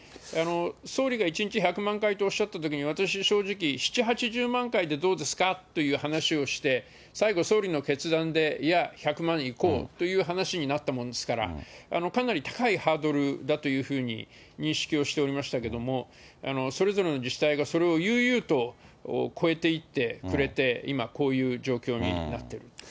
総理が１日１００万回とおっしゃったときに、私、正直、７、８０万回ぐらいでどうですかという話をして、最後、総理の決断で、いや、１００万いこうという話になったもんですから、かなり高いハードルだというふうに認識をしておりましたけれども、それぞれの自治体がそれをゆうゆうと超えていってくれて、今、こういう状況になっています。